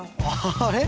あれ？